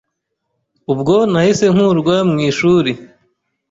ubwo nahise nkurwa mu ishuri